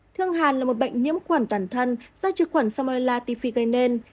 thương hẳn là một bệnh nhiễm khuẩn toàn thân do trực khuẩn salmonella ti phi gây nên